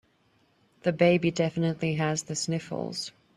The baby definitely has the sniffles.